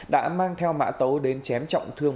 đã mang theo mã tấu đến chém trọng thương